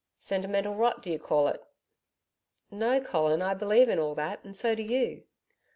'Sentimental rot, d'ye call it?' 'No, Colin, I believe in all that and so do you.'